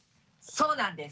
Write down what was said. そうなんです！